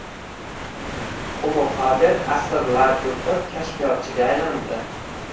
Homo faber asrlar o‘tib kashfiyotchiga aylandi